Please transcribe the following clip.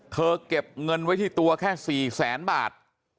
เก็บเงินไว้ที่ตัวแค่๔แสนบาท